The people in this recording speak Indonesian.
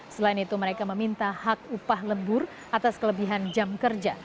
selain itu mereka meminta hak upah lembur atas kelebihan jam kerja